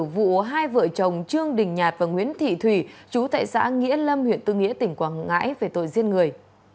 vụ hai vợ chồng trương đình nhạt và nguyễn thị thủy chú tại xã nghĩa lâm huyện tư nghĩa tỉnh quảng ngãi về tội giết người